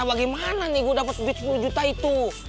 gak tau gimana nih gue dapet duit sepuluh juta itu